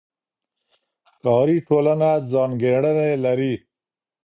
ښاري ټولنه ځانګړنې لري.